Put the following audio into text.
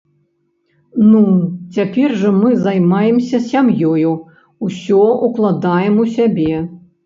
Ну, цяпер жа мы займаемся сям'ёю, усё ўкладаем у сябе.